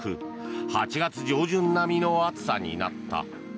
８月上旬並みの暑さになった。